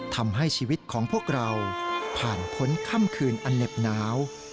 ทำให้ชีวิตของพวกเราผ่านพ้นค่ำคืนอันเหน็บหนาว